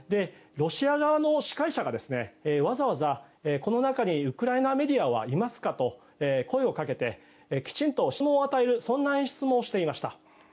ロシア側の司会者がわざわざこの中にウクライナメディアはいますかと声をかけてきちんと質問を与えるそんな演出もしていました。